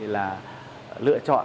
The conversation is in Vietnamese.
là lựa chọn